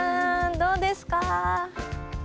どうですか？